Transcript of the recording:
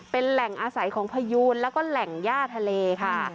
เป็นแหล่งอาศัยของพยูนแล้วก็แหล่งย่าทะเลค่ะ